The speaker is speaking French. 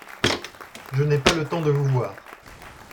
Je n'ai pas le temps de vous voir.